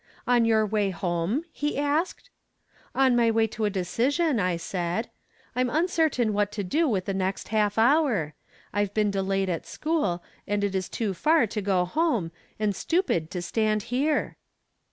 " On your way home ?" he asked. " On my way to a decision," I said. " I'm un certain what to do with the nest half hour. I've been delayed at school, and it is too far to go home, and stupid to stand here."